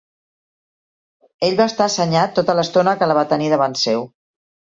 Ell va estar assenyat tota l'estona que la va tenir davant seu.